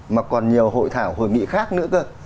mà còn nhiều hội thảo hội nghị khác nữa cơ